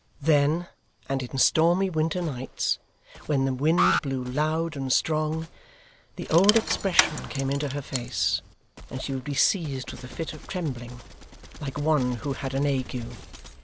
Then, and in stormy winter nights, when the wind blew loud and strong, the old expression came into her face, and she would be seized with a fit of trembling, like one who had an ague.